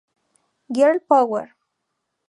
Girl Power!